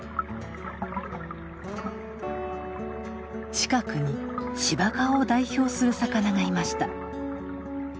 近くに芝川を代表する魚がいました。